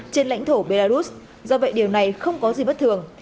trên lãnh thổ belarus do vậy điều này không có gì bất thường